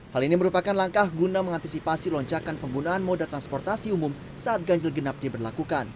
hal ini merupakan langkah guna mengantisipasi lonjakan penggunaan moda transportasi umum saat ganjil genap diberlakukan